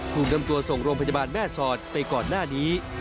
ถูกนำตัวส่งโรงพยาบาลแม่สอดไปก่อนหน้านี้